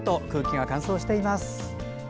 空気が乾燥しています。